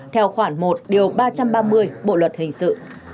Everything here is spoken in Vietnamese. theo khoảng một ba trăm ba mươi bộ luật hình sự